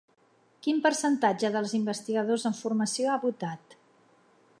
Quin percentatge dels investigadors en formació ha votat?